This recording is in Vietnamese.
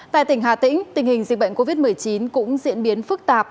tại tỉnh hà tĩnh tình hình dịch bệnh covid một mươi chín cũng diễn biến phức tạp